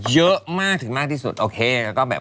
เยอะมากถึงมากที่สุดโอเค